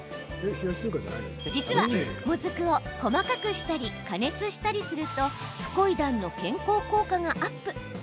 実は、もずくを細かくしたり加熱したりするとフコイダンの健康効果がアップ。